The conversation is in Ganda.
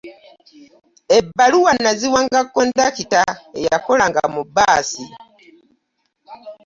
Ebbaluwa na ziwanga kondakita eyakolanga mu bbaasi.